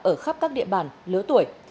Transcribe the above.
ở khắp các địa bàn lứa tuổi